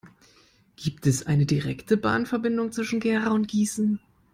Gibt es eine direkte Bahnverbindung zwischen Gera und Gießen?